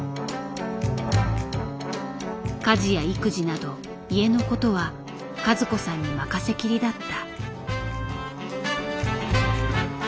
家事や育児など家のことは和子さんに任せきりだった。